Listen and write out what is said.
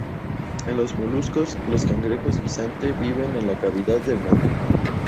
En los moluscos, los cangrejos guisante viven en la cavidad del manto.